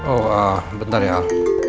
oh bentar ya al